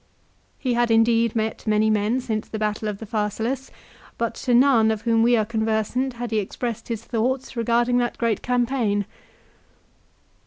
He had indeed met many men since the battle of the Pharsalus, but to none of whom we are conversant had he expressed his thoughts regarding that great campaign.